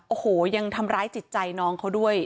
โอ้โหยังทำร้ายจิตใจน้องเขาด้วย